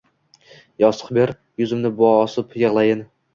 yostiq ber, yuzimni bosib yig’layin.